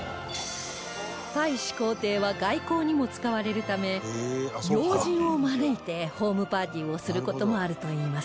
大使公邸は外交にも使われるため要人を招いてホームパーティーをする事もあるといいます